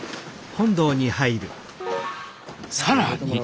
更に。